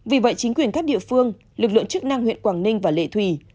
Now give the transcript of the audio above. vì vậy chính quyền các địa phương lực lượng chức năng huyện quảng ninh và lệ thủy